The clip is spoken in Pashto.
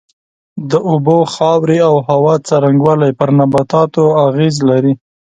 د اوبو، خاورې او هوا څرنگوالی پر نباتاتو اغېز لري.